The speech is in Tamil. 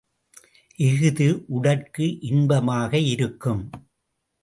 இஃது உடற்கு இன்பமாக இருக்கும்.